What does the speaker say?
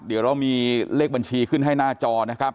เดี๋ยวเรามีเลขบัญชีขึ้นให้หน้าจอนะครับ